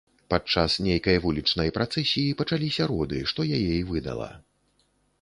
Падчас нейкай вулічнай працэсіі пачаліся роды, што яе і выдала.